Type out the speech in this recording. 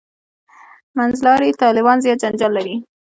«منځلاري طالبان» زیات جنجال لري.